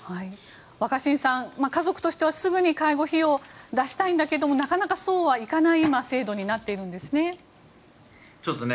若新さん、家族としてはすぐに介護費用を出したいんだけどなかなかそうはいかない制度に今、なっているんですね。